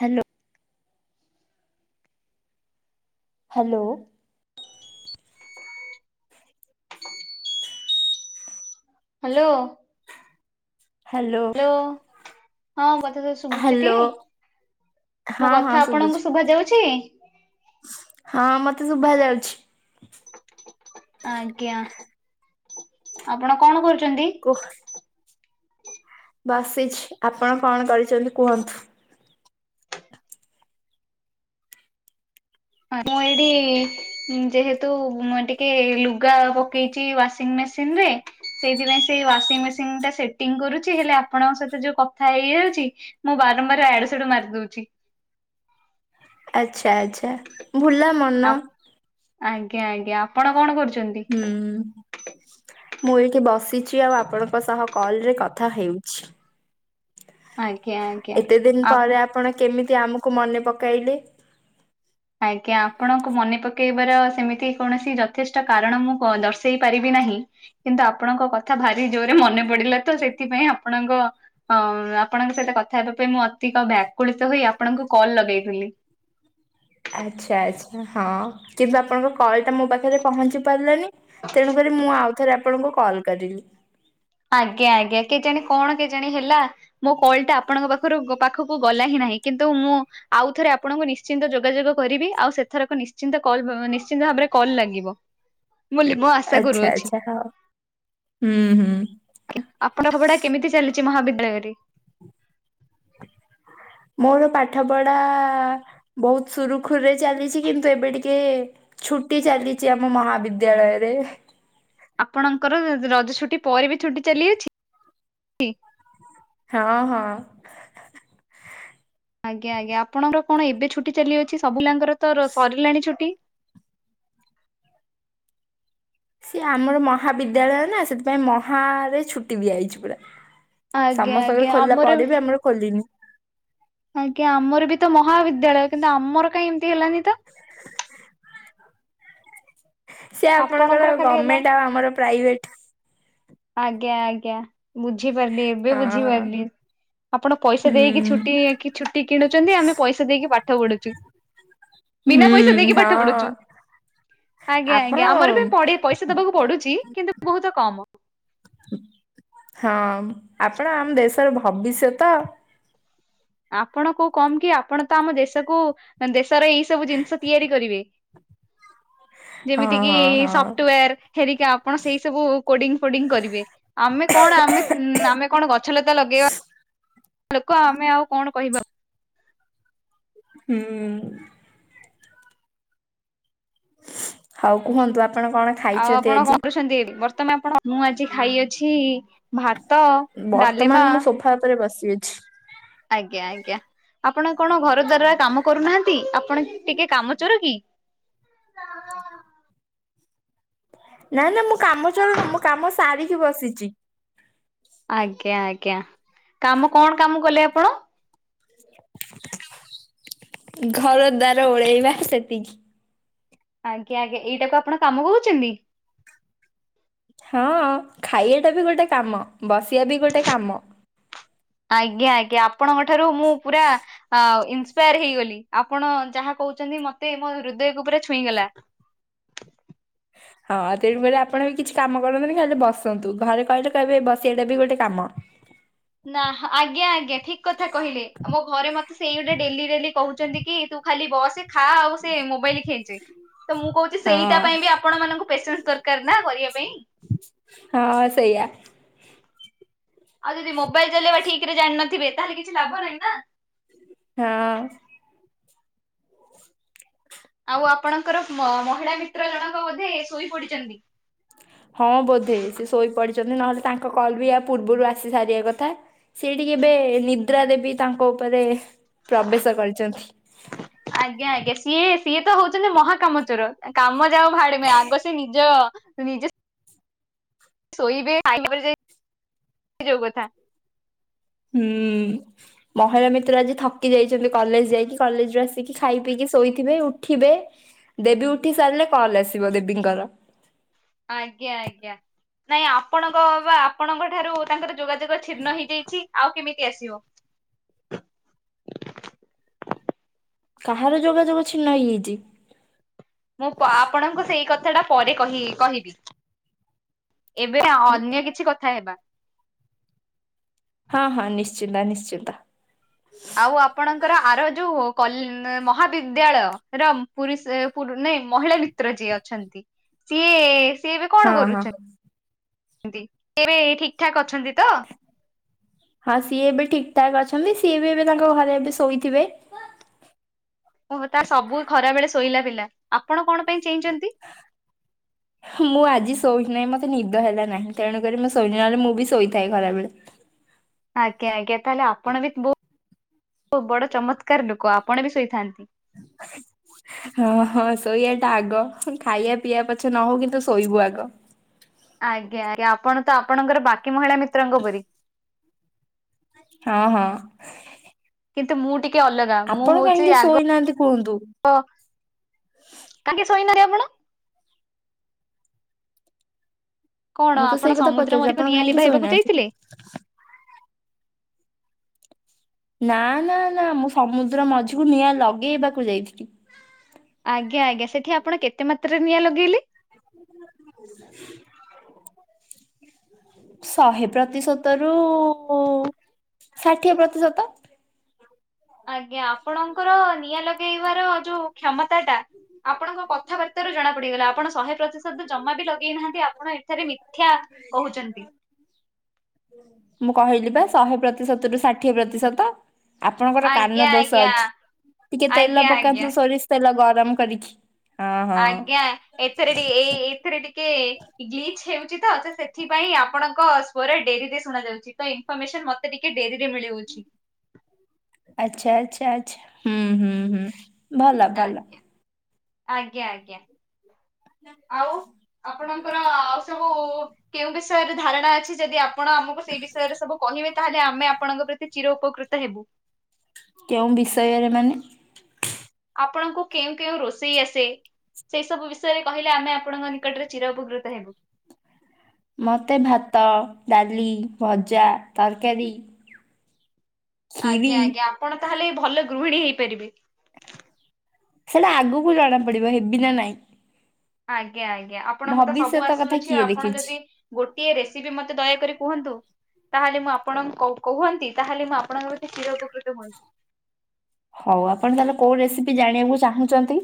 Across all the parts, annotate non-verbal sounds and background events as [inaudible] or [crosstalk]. Hello. Hello. Hello. Hello ହଁ କଥା ତ ଶୁ ଶୁଭୁଚିଟି ହ୍ୟାଲୋ ମୋ ହଁ ହଁ କଥା ଶୁଭୁଛି ଆପଣଙ୍କୁ ଶୁଭା ଯାଉଛି? ହଁ ମତେ ଶୁଭା ଯାଉଛି। ଆଜ୍ଞା ଆପଣ କଣ କରୁଛନ୍ତି? ଓହ। ବସିଛି ଆପଣ କଣ କରୁଛନ୍ତି କୁହନ୍ତୁ? ହ ମୁଁ ଏଇଠି ଉଁ ଯେହେତୁ ମୁଁ ଟିକେ ଲୁଗା ପକେଇଚି ୱାସିଂ ମେସିନରେ ସେଇଥିପାଇଁ ସେଇ ୱାସିଂ ମେସିଙ୍ଗଟା ସେଟିଂ କରୁଛି ହେଲେ ଆପଣଙ୍କ ସହିତ ଯୋଉ କଥା ହେଇଯାଉଛି ମୁଁ ବାରମ୍ବାର ୟାଡୁ ସେଆଡୁ ମାରି ଦଉଚି। ଆଚ୍ଛା ଆଚ୍ଛା ଭୁଲା ମନ। ଆପ- ଆଜ୍ଞା ଆଜ୍ଞା ଆପଣ କଣ କରୁଚନ୍ତି? ହୁଁ। ମୁଁ ଏଇଠି ବସିଚି ଆଉ ଆପଣଙ୍କ ସହ କଲରେ କଥା ହେଉଛି। ଆଜ୍ଞା ଆଜ୍ଞା। ଏତେ ଦିନ ଆପ ପରେ ଆପଣ କେମିତି ଆମକୁ ମନେ ପକାଇଲେ? ଆଜ୍ଞା, ଆପଣଙ୍କୁ ମନେ ପକେଇବାର ସେମିତି କୌଣସି ଯଥେଷ୍ଟ କାରଣ ମୁଁ କ ଦର୍ଶେଇ ପାରିବି ନାହିଁ କିନ୍ତୁ ଆପଣଙ୍କ କଥା ଭାରି ଜୋରେ ମନେ ପଡିଲା ତ ସେଥିପାଇଁ ଆପଣଙ୍କ ଅଁ ଅ ଆପଣଙ୍କ ସହିତ କଥା ହେବା ପାଇଁ ମୁଁ ଅତିିକ ବ୍ୟାକୁଳିତ ହୋଇ ଆପଣଙ୍କୁ କଲ୍ ଲଗେଇଦେଲି। ଆଚ୍ଛା ଆଚ୍ଛା ହଁ, କିନ୍ତୁ ଆପଣଙ୍କ କଲ୍ ଟା ମୋ ପାଖରେ ପହଞ୍ଚି ପାରିଲାନି। ତେଣୁକରି ମୁଁ ଆଉଥରେ ଆପଣଙ୍କୁ କଲ୍ କରିଲି। ଆଜ୍ଞା ଆଜ୍ଞା କେଜାଣି କଣ କେଜାଣି ହେଲା? ମୋ କଲ୍ ଟା ଆପଣଙ୍କ ପାଖରୁ ଗ୍ ପାଖକୁ ଗଲା ହିଁ ନାହିଁ, କିନ୍ତୁ ମୁଁ ଆଉଥରେ ଆପଣଙ୍କୁ ନିଶ୍ଚିନ୍ତ ଯୋଗାଯୋଗ କରିବି ଆଉ ସେଥରକ ନିଶ୍ଚିନ୍ତ କଲ୍ ଭ ନିଶ୍ଚିନ୍ତ ଭାବରେ କଲ୍ ଲାଗିବ। ମୁଁ ଲି ମୁଆ ଆଚ୍ଛା ଆଚ୍ଛା ହଉ ହୁଁ ହୁଁ। ଆଜ୍ଞା ଆପଣଙ୍କ ପଢ଼ା କେମିତି ଚାଲିଚି ମହାବିଦ୍ୟାଳୟରେ? ମୋର ପାଠ ପଢା ବହୁତ ସୁରୁଖୁରୁରେ ଚାଲିଛି, କିନ୍ତୁ ଏବେ ଟିକେ ଛୁଟି ଚାଲିଚି ଆମ ମହାବିଦ୍ୟାଳୟରେ। ଆପଣଙ୍କର ର ରଜ ଛୁଟି ପରେ ବି ଛୁଟି ଚାଲିଅଛି? ହଁ ହଁ। ଆଜ୍ଞା ଆଜ୍ଞା ଆପଣର କଣ ଏବେ ଛୁଟି ଚାଲିଅଛି ସବୁ ଲାଙ୍କର ତ ର ସରିଲାଣି ଛୁଟି? ସିଏ ଆମର ମହାବିଦ୍ୟାଳୟ ନା ସେଥିପାଇଁ ମହାଆରେ ଛୁଟି ଦିଆଇଚି ପୁରା। ଆଜ୍ଞା ସମସ୍ତଙ୍କର ଆଜ୍ଞା ଖୋଲିଲା ଆମର ପରେ ବି ଆମର ଖୋଲିନି। ଆଜ୍ଞା ଆମର ବି ତ ମହାବିଦ୍ୟାଳୟ କିନ୍ତୁ ଆମର କାଇଁ ଏମ୍ତି ହେଲାନି ତ? ସିଏ ଆପଣଙ୍କର ଆଉ ଖାଲି ହେଲା। ଗମେଣ୍ଟ ଆଉ ଆମର ପ୍ରାଇଭେଟ୍। ଆଜ୍ଞା ଆଜ୍ଞା ବୁଝିପାରିଲି ଏବେ ହଁ ହଁ ବୁଝିପାରିଲି। ଆପଣ ପଇସା ହୁଁ ଦେଇକି ଛୁଟି କି ଛୁଟି କିଣୁଚନ୍ତି ଆମେ ପଇସା ଦେଇକି ପାଠ ପଢୁଚୁ। ବିନା ପଇସା ହୁଁ ଦେଇକି ହଁ ପାଠ ପଢୁଚୁ। ଆପଣ ହଁ ପଇସା ଦବାକୁ ପଡୁଚି କିନ୍ତୁ ବୋହୁତ କମ। ହଁ ଆପଣ ଆମ ଦେଶର ଭବିଷ୍ୟତ। ଆପଣ କୋଉ କମ୍ କି ଆପଣ ତ ଆମ ଦେଶକୁ ଦେଶର ଏଇ ସବୁ ଜିନିଷ ତିଆରି କରିବେ। ହଁ ଯେମିତିକିି ହଁ ହଁ ସଫ୍ଟୱାର ହେରିକା ଆପଣ ସେଇ ସବୁଉ କୋଡିଙ୍ଗ ଫୋଡିଙ୍ଗ କରିବେ ଆମେ କଣ ଆମେ ଉଁ ଆମେ କଣ ଗଛ ଲତା ଲଗେଇବା ଲୋକ ଆମେ ଆଉ କଣ କହିବା? ହୁଁଉଁ। ଆଉ କୁହନ୍ତୁ ଆପଣ କଣ ଆଉ ଖାଇଛନ୍ତି ଆପଣ ଆଜି? କରୁଛନ୍ତି ବର୍ତ୍ତମାନ ଆପଣ ଭାତ, ଡାଲେମା ଥା ପରେ ବସି ଅଛି। ଆଜ୍ଞା ଆଜ୍ଞା ଆପଣ କଣ ଘର ଦ୍ୱାରରା କାମ କରୁନାହାନ୍ତି ଆପଣ ଟିକେ କାମ ଚୋର କି? [inaudible] ନାଁ ନାଁ ମୁଁ କାମ ଚୋର ନୁଁ ମୁଁ କାମ ସାରିକି ବସିଚି। ଆଜ୍ଞା ଆଜ୍ଞା କାମ କଣ କାମ କଲେ ଆପଣ? ଘର ଦ୍ବାର ଓଳେଇବା ସେତିକି। ଆଜ୍ଞା ଆଜ୍ଞା ଏଇଟାକୁ ଆପଣ କାମ କହୁଚନ୍ତି? ହଁ ଖାଇବା ଟା ବି ଗୋଟେ କାମ ବସିବା ବି ଗୋଟେ କାମ। ଆଜ୍ଞା ଆଜ୍ଞା ଆପଣଙ୍କ ଠାରୁ ମୁଁ ପୁରା ଇନ୍ସପାୟାର ହେଇଗଲି ଆ ପଣ ଯାହା କହୁଛନ୍ତି ମତେ ମୋ ହୃଦୟକୁ ପୁରା ଛୁଇଁଗଲା। ହଁ ତେଣୁ କଇଲେ ଆପଣ ବି କିଛି କାମ କରନ୍ତୁନି ଖାଲି ବସନ୍ତୁ। ଘରେ କହିଲେ କହିବେ ବସିବାଟା ବି ଗୋଟେ କାମ। ନା ଆଜ୍ଞା ଆଜ୍ଞା ଠିକ କଥା କହିଲେ ମୋ ଘରେ ମତେ ସେଇ ଗୋଟେ ଡେଲି ଡେଲି କହୁଛନ୍ତି କି ତୁ ଖାଲି ବସେ ଖା ଆଉ ସେ ମୋବାଇଲ ଖେଞ୍ଚେ ତ ମୁଁ କହୁଚି ହଁ ସେଇଟା ପାଇଁ ବି ଆ ପଣ ମାନଙ୍କୁ ପ୍ରେସେନ୍ସ ଦରକାର ନା କରିବା ପାଇଁ। ହଁ ସେଇଆ। ଆଉ ଯଦି ମୋବାଇଲ ଚଲେଇବା ଠିକ ରେ ଜାଣିିନଥିବେ ତାହେଲେ କିଛି ଲାଭ ନାହିଁ ନା। ହଁ। ଆଉ ଆପଣଙ୍କର ମ ମହିଳା ମିତ୍ର ଜଣକ ବୋଧେ ଶୋଇ ପଡିଚନ୍ତି। ହଁ ବୋଧେ ସେ ଶୋଇ ପଡିଚନ୍ତି ନହେଲେ ତାଙ୍କ କଲ୍ ବି ଆ ପୂର୍ବରୁ ଆସି ସାରିବା କଥା। ସିଏ ଟିକେ ଏବେ ନିଦ୍ରା ଦେବୀ ତାଙ୍କ ଉପରେ ପ୍ରବେଶ କରିଚନ୍ତି। ଆଜ୍ଞା ଆଜ୍ଞା ସିଏ ସିଏ ତ ହୋଉଚନ୍ତି ମହାକାମଚୋର। ଆ କାମ ଯାଉ ଭାଡେମେ ଆଗ ସେ ନିଜ ନିଜ ଶୋଇବେ [unintelligible] ଯୋଉ କଥା। ହୁଁ। ମହିଳା ମିତ୍ର ଆଜି ଥକି ଯାଇଚନ୍ତି କଲେଜ ଯାଇକି କଲେଜ୍‌ରୁ ଆସିକି ଖାଇ ପିଇକି ଶୋଇଥିବେ ଉଠିବେ ଦେବୀ ଉଠି ସାରିଲେ କଲ୍ ଆସିବ ଦେବୀଙ୍କର। ଆଜ୍ଞା ଆଜ୍ଞା ନାଇଁ ଆପଣଙ୍କ ବା ଆପଣଙ୍କ ଠାରୁ ତାଙ୍କର ଯୋଗାଯୋଗ ଛିନ୍ନ ହେଇଯାଇଛି ଆଉ କେମିତି ଆସିବ? କାହାର ଯୋଗାଯୋଗ ଛିନ୍ନ ହେଇଯାଇଚି? ମୁଁ ପା ଆପଣଙ୍କୁ ସେଇ କଥା ଟା ପରେ କହି କହିବି। ଏବେ ଅନ୍ୟ କିଛି କଥା ହେବା। ହଁ ହଁ ନିଶ୍ଚିନ୍ତ ନିଶ୍ଚିନ୍ତ। ଆଉ ଆପଣଙ୍କର ଆର ଯୋଉ କଲେ ମହାବିଦ୍ୟାଳୟ ର [unintelligible] ମହିଳାମି ତ୍ର ଯିଏ ଅଛନ୍ତି ସିଏ ସି ଏବେ ହଁ କଣ ହଁ କରୁଛ ନ୍ତି, ସିଏ ଏବେ ଠିକ୍ ଠାକ୍ ଅଛନ୍ତି ତ? ହଁ, ସିଏ ଏବେ ଠିକ୍ ଠାକ୍ ଅଛନ୍ତି। ସିଏ ବି ଏବେ ତାଙ୍କ ଘରେ ଏବେ ଶୋଇଥିବେ। ଓହୋ! ତା ସବୁ ଖରା ବେଳେ ଶୋଇଲା ପିଲା, ଆପଣ କଣ ପାଇଁ ଚେଇଁଚନ୍ତି? [unintelligible] ମୁଁ ଆଜି ଶୋଇବି ନାହିଁ, ମତେ ନିଦ ହେଲା ନାହିଁ। ତେଣୁକରି ମୁଁ ଶୋଇନି ନହେଲେ, ମୁଁ ବି ଶୋଇଥାଏ ଖରାବେଳେ। ଆଜ୍ଞା, ଆଜ୍ଞା, ତାହେଲେ ଆପଣ ବି ବହୁ ବଡ ଚମତ୍କାର ଲୋକ ଆପଣ ବି ଶୋଇଥାନ୍ତି। [unintelligible] ହଁ, ହଁ, ଶୋଇଆ ଟା ଆଗ। ଖାଇବା ପିଆ ପଛେ ନ ହଉ। କିନ୍ତୁ ଶୋଇବୁ ଆଗ। ଆଜ୍ଞା, ଆଜ୍ଞା, ଆପଣ ତ ଆପଣଙ୍କର ବାକି ମହିଳା ମିତ୍ରଙ୍କ ପରି। ହଁ ହଁ। କିନ୍ତୁ ମୁଁ ଟିକେ ଅଲଗ୍ ଆପଣ କାହିଁକି ଶୋଇନାହାଁନ୍ତି କୁହନ୍ତୁ। ଅ, କାହିଁକି ଶୋଇ ନାହାଁନ୍ତି ଆପଣ? କଣ ମୁଁ ତ ସେଇ ଆପଣ କଥା ସମୁଦ୍ର ପଚାରୁଛି ମଝିକୁ ଆପଣ ନିଆଁ କାହିଁକି ଲିଭାଇବାକୁ ଶୋଇନାହାନ୍ତି? ଯାଇଥିଲେ? ନା, ନା, ନା, ମୁଁ ସମୁଦ୍ର ମଝିକୁ ନିଆଁ ଲଗେଇବାକୁ ଯାଇଥିଲି। ଆଜ୍ଞା ଆଜ୍ଞା, ସେଠି ଆପଣ କେତେ ମାତ୍ରାରେ ନିଆଁ ଲଗେଇଲେ? [unintelligible] ଶହେ ପ୍ରତିଶତ ରୁ ଷାଠିଏ ପ୍ରତିଶତ। ଆଜ୍ଞା, ଆପଣଙ୍କର ନିଆଁ ଲଗେଇବାର ଯୋଉ କ୍ଷମତା ଟା ଆପଣଙ୍କ କଥାବାର୍ତ୍ତାରୁ ଜଣା ପଡିଗଲା। ଆପଣ ଶହେ ପ୍ରତିଶତ ଜମା ବି ଲଗେଇନାହାଁନ୍ତି। ଆପଣ ଏଠାରେ ମି ଥ୍ୟା କହୁଚନ୍ତି। ମୁଁ କହିଲି ବା ଶହେ ପ୍ରତିଶତ ରୁ ଷାଠିଏ ପ୍ରତିଶତ। ଆପଣଙ୍କର ଆଜ୍ଞା କାନ ଦୋଷ ଆଜ୍ଞା ଅଛି। ଟିକେ ଆଜ୍ଞା ତେଲ ଆଜ୍ଞା ପକାନ୍ତୁ, ସୋରିଷ ତେଲ ଗରମ କରିକି। ହଁ ହଁ ଆଜ୍ଞା, ଏଥରେ ଟିକେ ଏଇ ଏଥିରେ ଟିକେ ଗ୍ଲିଚ୍ ହେଉଛି ତ, ସେ ସେଥିପାଇଁ ଆପଣଙ୍କ ସ୍ଵର ଡେରିରେ ଶୁଣା ଯାଉଛି। ତ ଇ ଫରମେସନ୍ ମତେ ଟିକେ ଡେରିରେ ମିଳୁଛି। ଆଚ୍ଛା, ଆଚ୍ଛା, ଆଚ୍ଛା, ହୁଁ ହୁଁ ହୁଁ। ଭଲ ଭଲ ଆଜ୍ଞା, ଆଜ୍ଞା, ଆଜ୍ଞା ଆଉ। ଆପଣଙ୍କର ଆଉ ସବୁ କେଉଁ ବିଷୟରେ ଧାରଣା ଅଛି। ଯଦି ଆପଣ ଆମକୁ ସେଇ ବିଷୟରେ ସବୁ କହିବେ, ତାହେଲେ ଆମେ ଆପଣଙ୍କ ପ୍ରତି ଚିର ଉପକୃତ ହେବୁ। କେଉଁ ବିଷୟରେ ମାନେ ଆପଣଙ୍କୁ କେଉଁ କେଉଁ ରୋଷେଇ ଆସେ? ସେଇ ସବୁ ବିଷୟରେ କହିଲେ ଆମେ ଆପଣଙ୍କ ନିକଟରେ ଚିର ଉପକୃତ ହେବୁ। ମୋତେ ଭାତ, ଡାଲି, ଭଜା, ତରକାରୀ ଆଜ୍ଞା, ଖିରି ଆଜ୍ଞା, ଆପଣ ତାହେଲେ ଭଲ ଗୃହିଣୀ ହେଇପାରିବେ। ସେଇଟା ଆଗକୁ ଜଣାପଡ଼ିବ ହେବି ନା ନାଇଁ! ଆଜ୍ଞା, ଆଜ୍ଞା, ଆପଣଙ୍କୁ ତ ସବୁ ଭବିଷ୍ୟତ କଥା ଆସୁଅଛି। ଆଉ କିଏ ଆପଣ ଦେଖିଛି। ଯଦି ଗୋଟିଏ ରେସିପି ମୋତେ ଦୟାକରି କୁହନ୍ତୁ। ତାହେଲେ ମୁଁ ଆପଣଙ୍କୁ କୌ କୁହନ୍ତି, ତାହେଲେ ମୁଁ ଆପଣଙ୍କ ପ୍ରତି ଚିର ଉପକୃତ ହୁଅନ୍ତି। ହଉ, ଆପଣ ତାହେଲେ କୋଉ ରେସିପି ଜାଣିବାକୁ ଚାହୁଁଛନ୍ତି?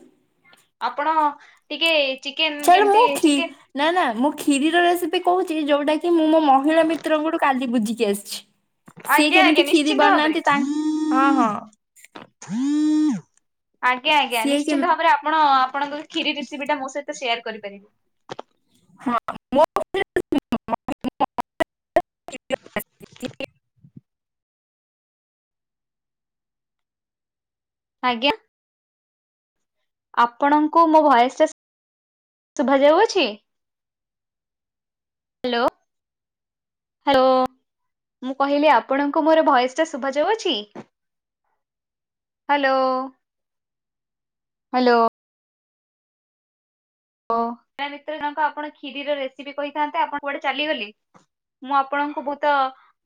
ଆପଣ ଟିକେ, ଚିକେନ୍ ଚାଲ ମୁଁ କେମତି ଖି ଚିକେନ୍ ନା, ନା, ମୁଁ ଖିରିର ରେସିପି କହୁଛି, ଯୋଉଟା କିି ମୁଁ ମୋ ମହିଳା ମିତ୍ରଙ୍କଠୁ କାଲି ବୁଝିକି ଆସିଛି। ସିଏ ଆଜ୍ଞା ଯେମିତି ଆଜ୍ଞା କ୍ଷିରୀ ନିଶ୍ଚିନ୍ତ ଭାବରେ। ବନାନ୍ତି, ତାଙ୍କ ହଁ ହଁ ଆଜ୍ଞା, ଆଜ୍ଞା, ସିଏ କେମ ନିଶ୍ଚିନ୍ତ ଭାବରେ ଆପଣ ଆପଣଙ୍କ ଖିରୀ ରିସିପି ଟା, ମୋ ସହିତ ସେୟାର କରିପାରିବେ। [inaudible] [inaudible] ଆଜ୍ଞା। ଆପଣଙ୍କୁ ମୋ ଭଏସ ଟା ଶୁଭାଯାଉଅଛି? Hello hello. ମୁଁ କହିଲି ଆପଣଙ୍କୁ ମୋର ଭଏସ ଟା ଶୁଭାଯାଉଅଛି? Hello hello. ଓ [unintelligible] ଆପଣ କ୍ଷୀରିର ରେସିପି କହିଥାନ୍ତେ ଆପଣ କୁଆଡ଼େ ଚାଲିଗଲେ? ମୁଁ ଆପଣଙ୍କୁ ବହୁତ